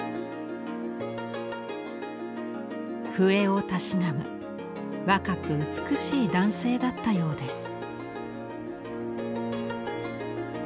笛をたしなむ若く美しい男性だったようです。